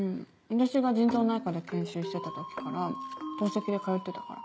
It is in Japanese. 私が腎臓内科で研修してた時から透析で通ってたから。